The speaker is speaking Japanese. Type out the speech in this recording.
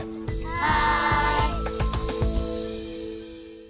はい！